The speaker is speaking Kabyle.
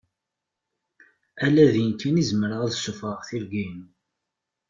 Ala din kan i zemreɣ ad ssufɣaɣ tirga-ynu?